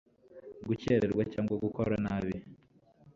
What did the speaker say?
gukererwa cyangwa gukora nabi